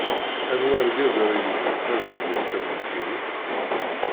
Anwa argaz ara yebɣun tabergazt am nekkini?